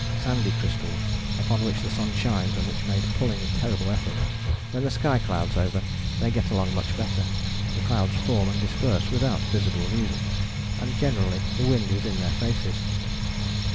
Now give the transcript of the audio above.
Sandy crystals, upon which the sun shines and which made pulling a terrible effort: when the sky clouds over they get along much better. The clouds form and disperse without visible reason. And generally the wind is in their faces.